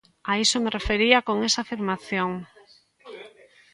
A iso me refería con esa afirmación.